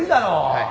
はい。